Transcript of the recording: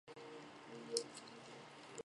以下是香港迪士尼乐园内的节庆活动。